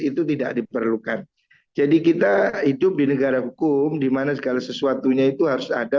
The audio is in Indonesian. itu tidak diperlukan jadi kita hidup di negara hukum dimana segala sesuatunya itu harus ada